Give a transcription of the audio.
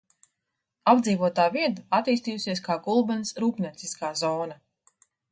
Apdzīvotā vieta attīstījusies kā Gulbenes rūpnieciskā zona.